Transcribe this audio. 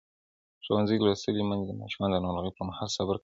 ښوونځې لوستې میندې د ماشومانو د ناروغۍ پر مهال صبر کوي.